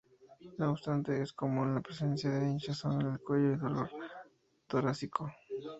No obstante, es común la presencia de hinchazón en el cuello y dolor torácico.